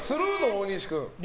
大西君。